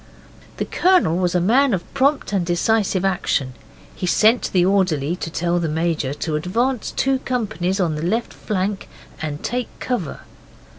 The Colonel was a man of prompt and decisive action. He sent the orderly to tell the Major to advance two companies on the left flank and take cover.